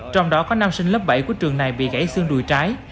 trong đó có nam sinh lớp bảy của trường này bị gãy xương đùi trái